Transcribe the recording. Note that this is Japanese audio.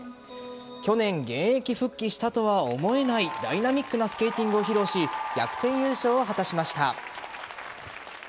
去年、現役復帰したとは思えないダイナミックなスケーティングを披露し逆転優勝を果たしました。